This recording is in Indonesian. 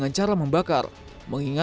atau pembukaan lahan dengan cara